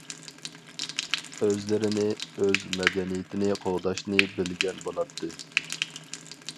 ئۆزلىرىنى، ئۆز مەدەنىيىتىنى قوغداشنى بىلگەن بولاتتى.